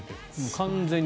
完全に。